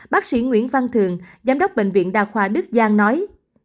bác sĩ nguyễn văn thường giám đốc bệnh viện đh đức giang nói